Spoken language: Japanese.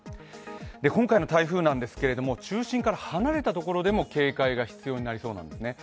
今回の台風なんですけれども、中心から離れたところでも警戒が必要になりそうなんですね。